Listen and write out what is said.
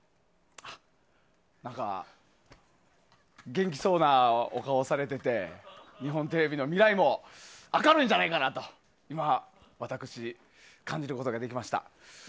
何か、元気そうなお顔をされてて日本テレビの未来も明るいんじゃないかなと今、私、感じることができました。